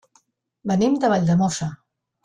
Venim de Valldemossa.